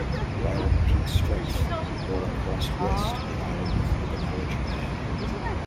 While at peak strength, Nora crossed west of the island of Okinawa, Japan.